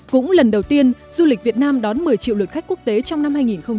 cũng lần đầu tiên du lịch việt nam đón một mươi triệu lượt khách quốc tế trong năm hai nghìn hai mươi